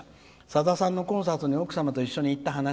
さださんのコンサートに奥様と一緒に行った話。